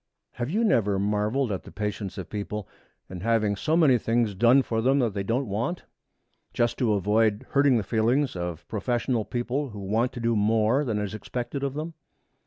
Have you never marveled at the patience of people in having so many things done to them that they don't want, just to avoid hurting the feelings of professional people who want to do more than is expected of them?